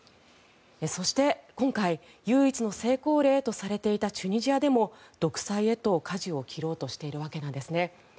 そして今回唯一の成功例とされていたチュニジアでも独裁へと、かじを切ろうとしているわけなんですね。